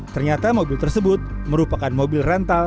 ternyata mobil tersebut merupakan mobil rental